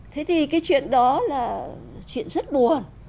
thế thì cái chuyện đó là chuyện rất buồn